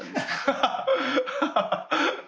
ハハハハ！